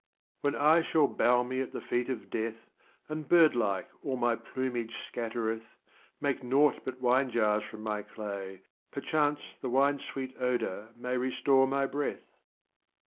■\X7hea I shall boAV me at the Feet of Death And bird like all my Plumage scaltereth, Make naught but Wine Jars from my Clay, per chance The Wine's sweet Odor may restore my Breath.